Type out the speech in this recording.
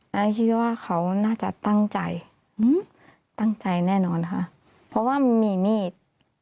แล้วคิดว่าเขาน่าจะตั้งใจตั้งใจแน่นอนค่ะเพราะว่ามันมีมีด